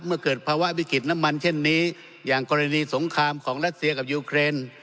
เกิดภาวะวิกฤตน้ำมันเช่นนี้อย่างกรณีสงครามของรัสเซียกับยูเครน